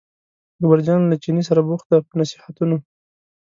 اکبرجان له چیني سره بوخت دی په نصیحتونو.